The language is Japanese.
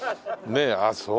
ねえああそう。